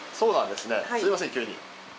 すみません急に。